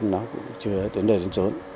nó cũng chưa đến đời đến xuống